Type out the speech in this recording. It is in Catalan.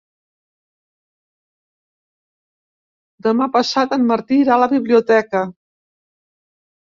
Demà passat en Martí irà a la biblioteca.